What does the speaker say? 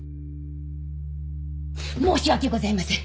申し訳ございません。